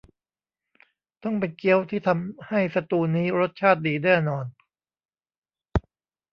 ต้องเป็นเกี๊ยวที่ทำให้สตูว์นี้รสชาติดีแน่นอน